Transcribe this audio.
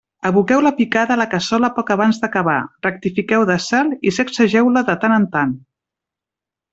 Aboqueu la picada a la cassola poc abans d'acabar, rectifiqueu de sal i sacsegeu-la de tant en tant.